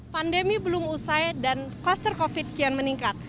pandemi belum usai dan kluster covid kian meningkat